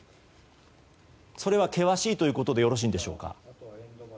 それは険しいということでよろしいですか？